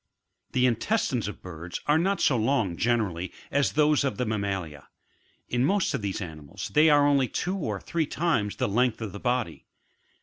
31. The intestineg of birds are not so long, generally, as those of the mammalia ; in most of these animals they are only two or three times the length of the body.